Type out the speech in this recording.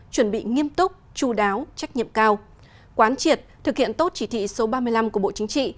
chuẩn bị nghiêm túc chú đáo trách nhiệm cao quán triệt thực hiện tốt chỉ thị số ba mươi năm của bộ chính trị